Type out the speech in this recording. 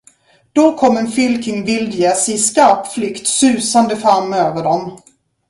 Då kom en fylking vildgäss i skarp flykt susande fram över dem.